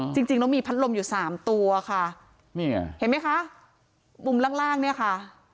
จริงแล้วมีพัดลมอยู่๓ตัวค่ะเห็นไหมคะมุมล่างเนี่ยค่ะ